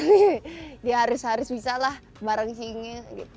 dia harus harus bisa lah bareng si inge